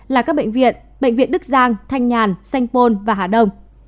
là các bệnh viện bệnh viện đức giang thanh nhàn sanh pôn và hà đông